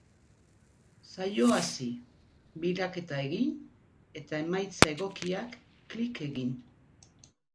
Saio hasi, bilaketa egin eta emaitza egokiak klik egin.